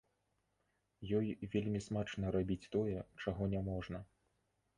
Ёй вельмі смачна рабіць тое, чаго няможна.